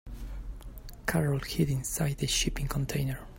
Carol hid inside the shipping container.